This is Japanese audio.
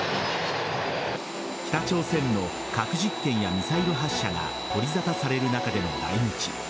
北朝鮮の核実験やミサイル発射が取り沙汰される中での来日。